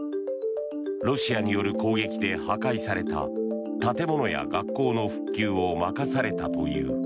ロシアによる攻撃で破壊された建物や学校の復旧を任されたという。